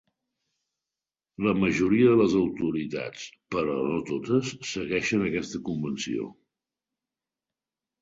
La majoria de les autoritats, però no totes, segueixen aquesta convenció.